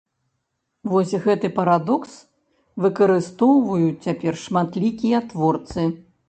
Вось гэты парадокс выкарыстоўваюць цяпер шматлікія творцы.